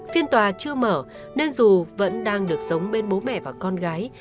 phiên tòa chưa mở nên dù vẫn đang được sống bên bố mẹ và con gái